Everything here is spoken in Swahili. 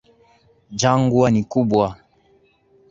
Jangwa ni kubwa.